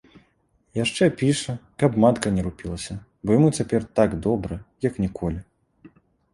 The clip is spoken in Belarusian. Яшчэ піша, каб матка не рупілася, бо яму цяпер так добра як ніколі.